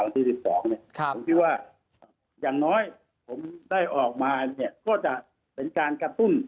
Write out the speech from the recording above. วันที่๑๒คิดว่าอย่างน้อยได้ออกมาก็จะเป็นการกระตุ้น